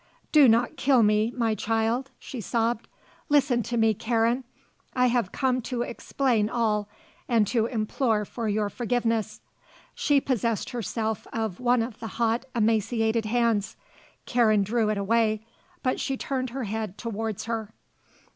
"Do not kill me, my child," she sobbed, "Listen to me, Karen! I have come to explain all, and to implore for your forgiveness." She possessed herself of one of the hot, emaciated hands. Karen drew it away, but she turned her head towards her.